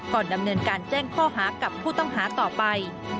ดำเนินการแจ้งข้อหากับผู้ต้องหาต่อไป